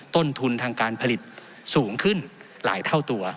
ต้นทุนทางการผลิตสูงขึ้นหลายเท่าตัว